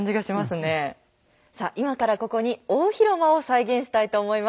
さあ今からここに大広間を再現したいと思います。